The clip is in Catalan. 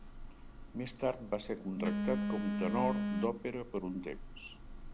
Més tard va ser contractat com tenor d'òpera per un temps.